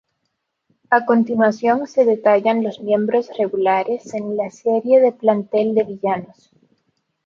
A continuación se detallan los miembros regulares en la serie del plantel de villanos.